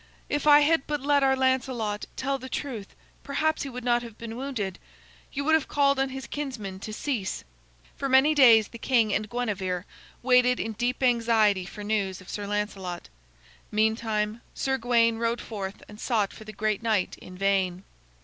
"If I had but let our Lancelot tell the truth, perhaps he would not have been wounded. You would have called on his kinsmen to cease." For many days the king and Guinevere waited in deep anxiety for news of Sir Lancelot. Meantime, Sir Gawain rode forth and sought for the great knight in vain.